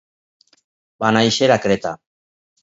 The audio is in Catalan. Va néixer a Creta.